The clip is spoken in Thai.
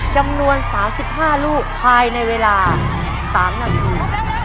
จำนวน๓๕ลูกภายในเวลา๓นาที